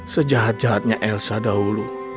sejahat jahatnya elsa dahulu